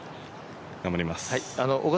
頑張ります。